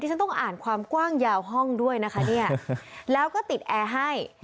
ฉันต้องอ่านความกว้างยาวห้องด้วยนะคะเนี่ยแล้วก็ติดแอร์ให้